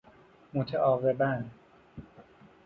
متعاقباً